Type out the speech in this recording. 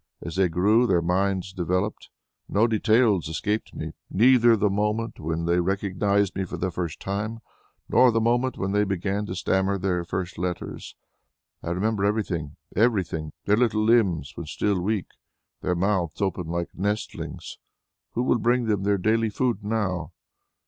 As they grew, their minds developed; no details escaped me; neither the moment when they recognized me for the first time, nor the moment when they began to stammer their first letters. I remember everything, everything their little limbs when still weak ... their mouths open like nestlings. Who will bring them their daily food now?